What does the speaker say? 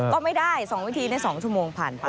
ก็ไม่ได้๒วิธีใน๒ชั่วโมงผ่านไป